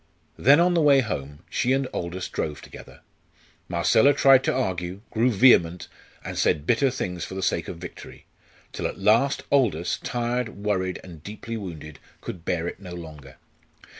Then on the way home, she and Aldous drove together. Marcella tried to argue, grew vehement, and said bitter things for the sake of victory, till at last Aldous, tired, worried, and deeply wounded, could bear it no longer.